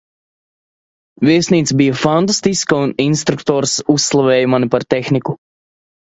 Viesnīca bija fantastiska, un instruktors uzslavēja mani par tehniku.